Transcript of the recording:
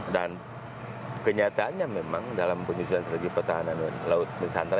dan kenyataannya memang dalam penyelesaian strategi pertahanan laut nusantara